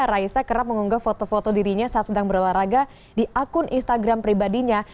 raisa kerap mengunggah foto foto dirinya saat sedang berolahraga di akun instagram pribadinya